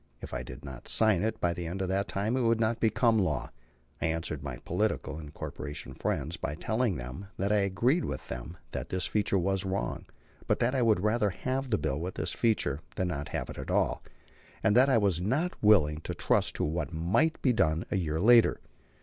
If I did not sign it by the end of that time it would not become a law. I answered my political and corporation friends by telling them that I agreed with them that this feature was wrong, but that I would rather have the bill with this feature than not have it at all; and that I was not willing to trust to what might be done a year later.